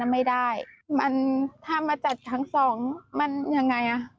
ไม่อยากจัดทางสอง